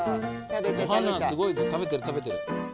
オハナすごいぞ食べてる食べてる。